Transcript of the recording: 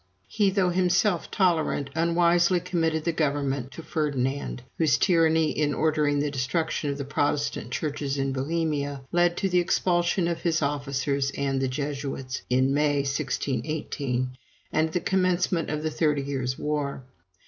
He, though himself tolerant, unwisely committed the government to Ferdinand, whose tyranny in ordering the destruction of the Protestant churches in Bohemia, led to the expulsion of his officers and the Jesuits, in May, 1618, and the commencement of the Thirty Years' War.